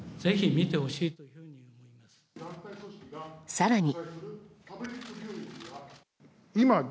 更に。